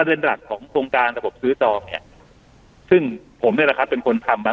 กระเด็นหลักของโครงการอ่ะผมซื้อจองเนี่ยผลเลขาเป็นคนทำหรับ